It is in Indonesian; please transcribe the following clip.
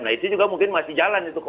nah itu juga mungkin masih jalan